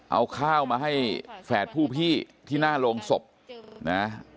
เอาข้าวมาให้แฝดผู้พี่ที่หน้าโรงศพนะ